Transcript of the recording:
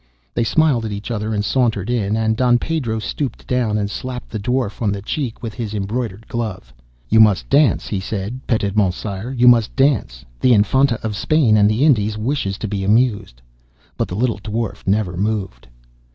They smiled at each other, and sauntered in, and Don Pedro stooped down, and slapped the Dwarf on the cheek with his embroidered glove. 'You must dance,' he said, 'petit monsire. You must dance. The Infanta of Spain and the Indies wishes to be amused.' But the little Dwarf never moved.